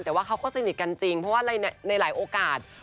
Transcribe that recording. แต่ว่าเขาก็สนิทกันจริงเพราะว่าในหลายโอกาส